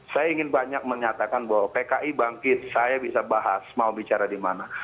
saya ingin banyak menyatakan bahwa pki bangkit saya bisa bahas mau bicara di mana